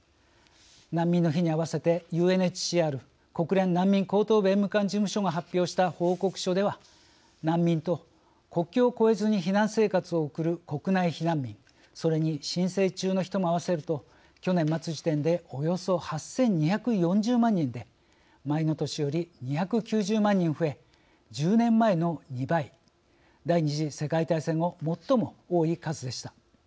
難民の日にあわせてＵＮＨＣＲ国連難民高等弁務官事務所が発表した報告書では、難民と国境を越えずに避難生活を送る国内避難民、それに申請中の人も合わせると去年末時点でおよそ８２４０万人で前の年より２９０万人増え１０年前の２倍第二次世界大戦後最も多い数でした。